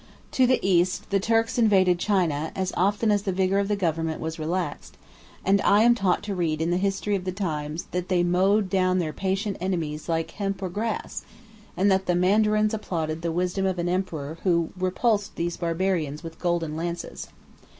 29 To the east, the Turks invaded China, as often as the vigor of the government was relaxed: and I am taught to read in the history of the times, that they mowed down their patient enemies like hemp or grass; and that the mandarins applauded the wisdom of an emperor who repulsed these Barbarians with golden lances.